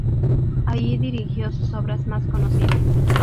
Allí dirigió sus obras más conocidas.